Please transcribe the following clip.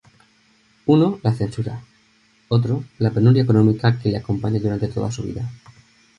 Uno, la censura; otro, la penuria económica que le acompañó durante toda su vida.